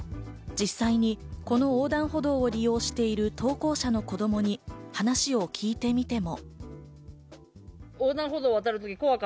実際にこの横断歩道を利用している投稿者の子供に話を聞いてみても。